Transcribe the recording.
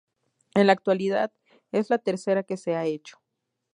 En la actualidad es la tercera que se ha hecho.